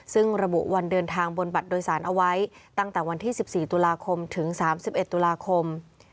ซึ่งระบุวันเดินทางบนบัตรโดยสารเอาไว้ตั้งแต่วันที่๑๔ตุลาคมถึง๓๑ตุลาคม